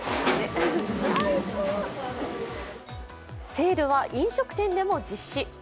セールは飲食店でも実施。